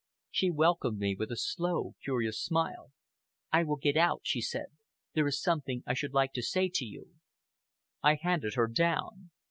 She welcomed me with a slow, curious smile. "I will get out," she said. "There is something I should like to say to you." I handed her down.